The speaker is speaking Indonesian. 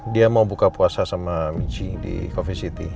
dia mau buka puasa sama michi di coffee city